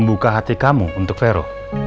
membuka hati kamu untuk vero